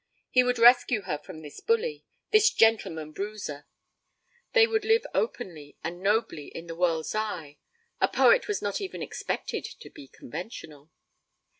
He would rescue her from this bully, this gentleman bruiser. They would live openly and nobly in the world's eye. A poet was not even expected to be conventional.